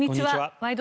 「ワイド！